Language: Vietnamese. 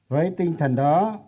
với tinh thần đó